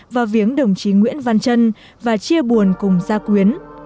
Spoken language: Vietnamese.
vào viếng đồng chí nguyễn văn trân và chia buồn cùng gia quyến